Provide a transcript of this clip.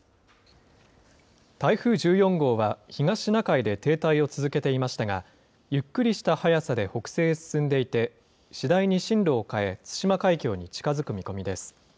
台風１４号は、東シナ海で停滞を続けていましたが、ゆっくりした速さで北西へ進んでいて、次第に進路を変え、対馬海峡に近づく見込みです。